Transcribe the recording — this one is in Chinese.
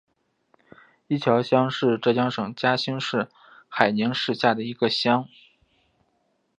伊桥乡是浙江省嘉兴市海宁市下的一个乡。